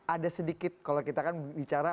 ada sedikit kalau kita kan bicara